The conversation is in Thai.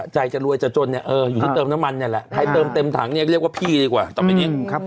จะรวยจะจนเนี่ยอยู่ที่เติมน้ำมันเนี่ยแหละให้เติมเต็มถังเนี่ยเรียกว่าพี่ดีกว่าต่อไปนี้